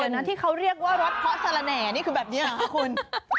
อย่างนั้นที่เขาเรียกว่ารถเพาะสรแหน่นี่คือแบบนี้หรือคะคุณ